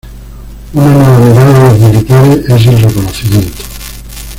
Una nueva mirada a los militares es el reconocimiento.